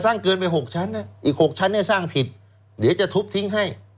เกินไป๖ชั้นอีก๖ชั้นเนี่ยสร้างผิดเดี๋ยวจะทุบทิ้งให้